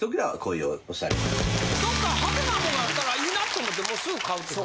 どっか派手なもんがあったらいいなと思ってもうすぐ買うってこと？